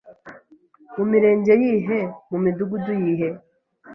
mu mirenge yihe, mu midugudu yihe.